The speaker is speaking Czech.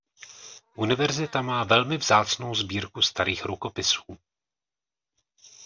Univerzita má velmi vzácnou sbírku starých rukopisů.